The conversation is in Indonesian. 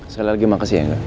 sekali lagi makasih ya mbak